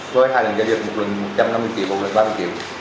với hai lần giao dịch một lần một trăm năm mươi triệu một lần ba mươi triệu